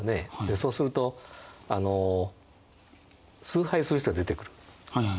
そうすると崇拝する人が出てくるだろうと。